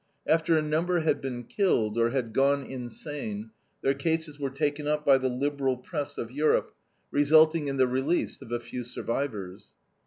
After a number had been killed, or had gone insane, their cases were taken up by the liberal press of Europe, resulting in the release of a few survivors.